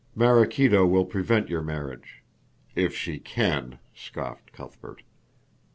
"Maraquito will prevent your marriage." "If she can," scoffed Cuthbert.